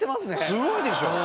すごいでしょ？